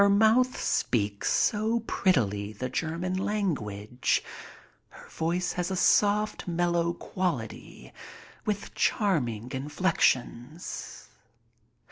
Her mouth speaks so prettily the German language. Her voice has a soft, mellow quality, with charming inflections.